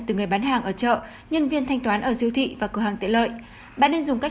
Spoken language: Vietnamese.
từ người bán hàng ở chợ nhân viên thanh toán ở siêu thị và cửa hàng tiện lợi bạn nên dùng các